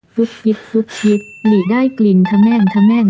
สุขทิศสุขทิศหลีได้กลิ่นธแม่งธแม่ง